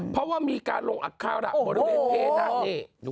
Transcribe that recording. เพราะว่ามีการลงอัคคาระบริเวณเพดานนี่